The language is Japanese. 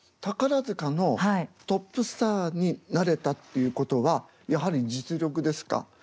宝塚のトップスターになれたっていうことはやはり実力ですか？